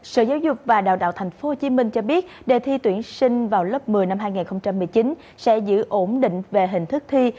sở giáo dục và đào tạo tp hcm cho biết đề thi tuyển sinh vào lớp một mươi năm hai nghìn một mươi chín sẽ giữ ổn định về hình thức thi